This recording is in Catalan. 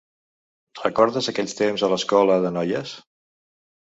Recordes aquells temps a l'escola de noies?